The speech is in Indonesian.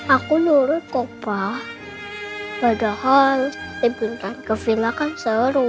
aku nurut kopah padahal pindahan ke vila kan seru